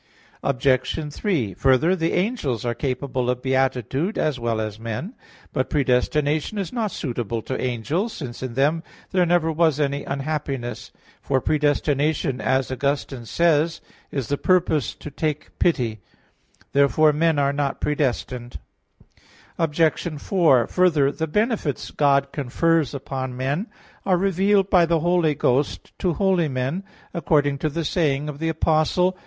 Obj. 3: Further, the angels are capable of beatitude, as well as men. But predestination is not suitable to angels, since in them there never was any unhappiness (miseria); for predestination, as Augustine says (De praedest. sanct. 17), is the "purpose to take pity [miserendi]" [*See Q. 22, A. 3]. Therefore men are not predestined. Obj. 4: Further, the benefits God confers upon men are revealed by the Holy Ghost to holy men according to the saying of the Apostle (1 Cor.